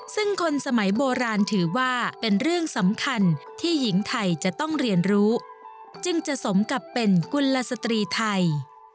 ซึ่งคนสมัยโบราณถือว่าเป็นเรื่องสำคัญที่หญิงไทยจะต้องเรียนรู้จึงจะสมกับเป็นกุลสตรีไทย